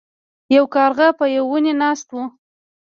یو کارغه په یو ونې ناست و.